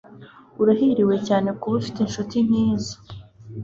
Urahiriwe cyane kuba ufite inshuti nkizo